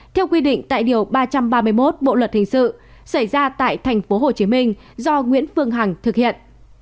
theo quy định tại điều ba trăm ba mươi một bộ luật hình sự xảy ra tại tp hcm do nguyễn phương hằng thực hiện